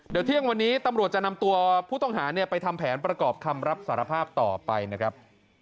เดี๋ยวเที่ยงวันนี้ตำรวจจะนำตัวผู้ต้องหาไปทำแผนประกอบคำรับสารภาพต่อไปนะครับ